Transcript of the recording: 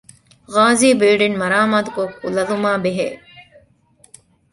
ޣާޒީ ބިލްޑިންގ މަރާމާތުކޮށް ކުލަލުމާބެހޭ